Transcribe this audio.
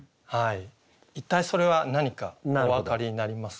一体それは何かお分かりになりますか？